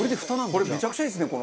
これめちゃくちゃいいですね